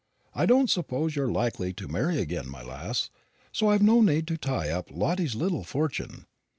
I don't suppose you're likely to marry again, my lass, so I've no need to tie up Lottie's little fortune.